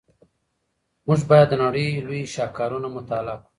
موږ باید د نړۍ لوی شاهکارونه مطالعه کړو.